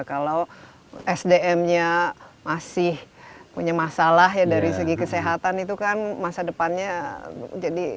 kalau sdm nya masih punya masalah ya dari segi kesehatan itu kan masa depannya jadi